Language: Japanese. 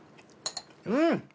うん！